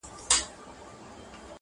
خو د پردي جمله داسې رانغاړي